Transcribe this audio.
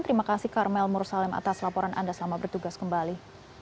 terima kasih karmel mursalim atas laporan anda selamat bertugas kembali